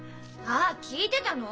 あっ聞いてたの？